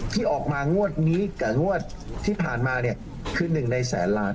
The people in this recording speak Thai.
ที่ออกมางวดนี้กับงวดที่ผ่านมาเนี่ยคือ๑ในแสนล้าน